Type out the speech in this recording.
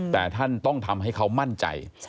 แต่ท่านต้องทำให้เขามั่นใจ